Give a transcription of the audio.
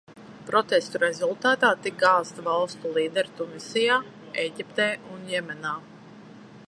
Protestu rezultātā tika gāzti valstu līderi Tunisijā, Ēģiptē un Jemenā.